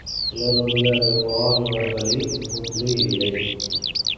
சிலருடைய ரிவால்வர்களில் குண்டுகளில்லை.